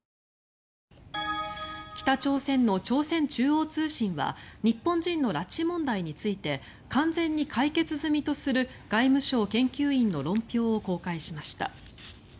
北朝鮮の朝鮮中央通信は日本人の拉致問題について完全に解決済みとする外務省研究員の論評を公開しました。